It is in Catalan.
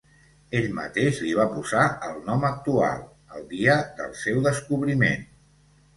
Ell mateix li va posar el nom actual, el dia del seu descobriment.